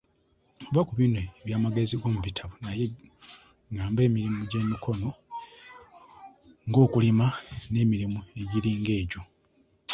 Vva ku bino eby'amagezi ag'omu bitabo naye ngamba emirimu egy'emikono ng'okulima n'emirimu egiringa egyo.